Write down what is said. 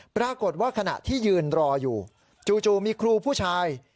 ปรากฏว่าขณะที่ยืนรออยู่จู่มีครูผู้ชาย